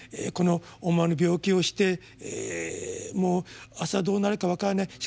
この思わぬ病気をしても朝どうなるか分からない。